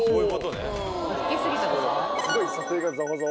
すごい、査定がざわざわ。